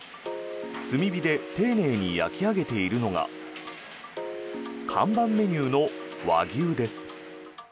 炭火で丁寧に焼き上げているのが看板メニューの和牛です。